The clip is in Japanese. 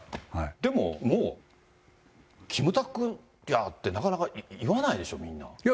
でももう、キムタクやって、なかなか言わないでしょ、みんな。